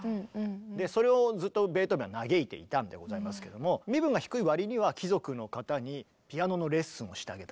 でそれをずっとベートーベンは嘆いていたんでございますけども身分が低い割には貴族の方にピアノのレッスンをしてあげたりとか。